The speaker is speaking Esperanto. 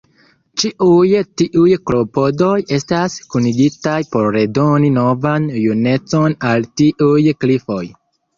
Ĉiuj tiuj klopodoj estas kunigitaj por redoni novan junecon al tiuj klifoj.